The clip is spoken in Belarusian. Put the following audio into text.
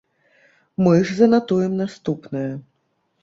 Мы ж занатуем наступнае.